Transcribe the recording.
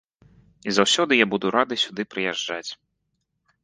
І заўсёды я буду рады сюды прыязджаць.